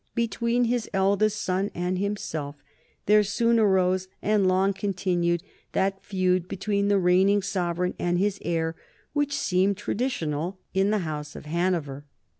Between his eldest son and himself there soon arose and long continued that feud between the reigning sovereign and his heir which seemed traditional in the House of Hanover.